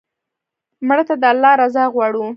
مړه ته د الله رضا غواړو